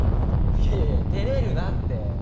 いやいや照れるなって。